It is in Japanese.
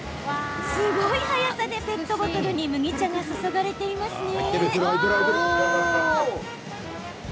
すごい速さでペットボトルに麦茶が注がれていますね。